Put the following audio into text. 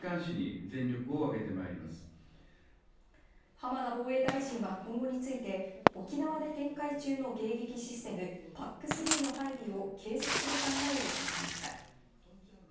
浜田防衛大臣は今後について、沖縄で展開中の迎撃システム「ＰＡＣ−３」の配備を継続する考えを示しました。